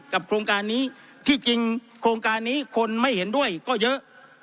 โครงการนี้ที่จริงโครงการนี้คนไม่เห็นด้วยก็เยอะ